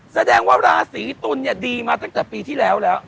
แสดงว่าราศีตุลเนี่ยดีมาตั้งแต่ปีที่แล้วแล้ว